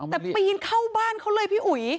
แต่ปีนเข้าบ้านเขาเลยพี่อุ๋ย